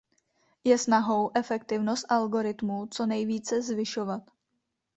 Je snahou efektivnost algoritmu co nejvíce zvyšovat.